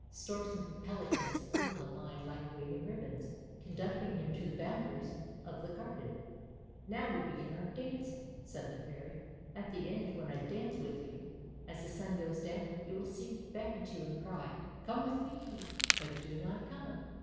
Storks and pelicans flew in a line like waving ribbons, conducting him to the boundaries of the Garden. "Now we begin our dancing!" said the Fairy; "at the end when I dance with you, as the sun goes down you will see me beckon to you and cry ' Come with me '; but do not come.